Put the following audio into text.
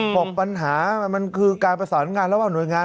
บอกปัญหามันคือการประสานงานระหว่างหน่วยงาน